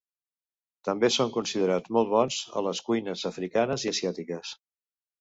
També són considerats molt bons a les cuines africanes i asiàtiques.